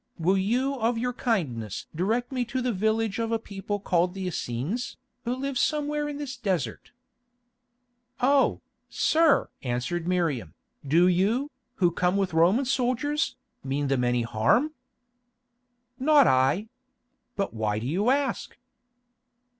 Will you of your kindness direct me to the village of a people called Essenes, who live somewhere in this desert?" "Oh, sir!" answered Miriam, "do you, who come with Roman soldiers, mean them any harm?" "Not I. But why do you ask?"